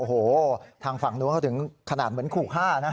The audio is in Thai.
โอ้โหทางฝั่งนู้นเขาถึงขนาดเหมือนขู่ฆ่านะ